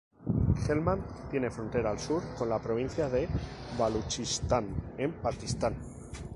Helmand tiene frontera al sur con la provincia de Baluchistán en Pakistán.